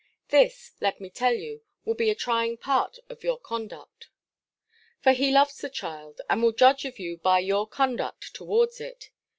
This, let me tell you, will be a trying part of your conduct. For he loves the child, and will judge of you by your conduct towards it.